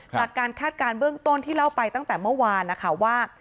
คาดการณ์เบื้องต้นที่เล่าไปตั้งแต่เมื่อวานนะคะว่า